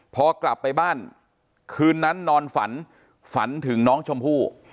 พอกลับไปบ้านคืนนั้นนอนฝันฝันถึงน้องชมพู่